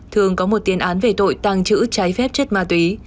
thương có một tiên án về tội tăng chữ trái phép chất ma túy